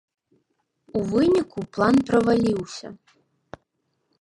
У выніку план праваліўся.